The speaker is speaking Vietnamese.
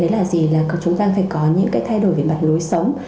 đấy là gì là chúng ta phải có những cái thay đổi về mặt lối sống